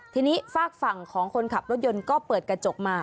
ทีนี้ฝากฝั่งของคนขับรถยนต์ก็เปิดกระจกมา